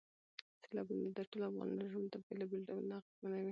سیلابونه د ټولو افغانانو ژوند په بېلابېلو ډولونو اغېزمنوي.